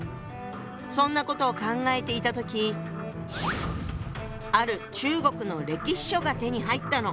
そんなことを考えていた時ある中国の歴史書が手に入ったの。